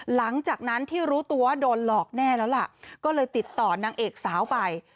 หลังจากนั้นที่รู้ตัวว่าโดนหลอกแน่แล้วล่ะก็เลยติดต่อนางเอกสาวไป